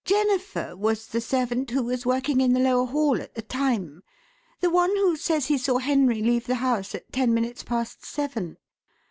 Jennifer was the servant who was working in the lower hall at the time the one who says he saw Henry leave the house at ten minutes past seven.